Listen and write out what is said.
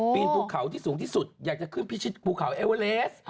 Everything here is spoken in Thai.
ภูเขาที่สูงที่สุดอยากจะขึ้นพิชิตภูเขาเอเวอเลส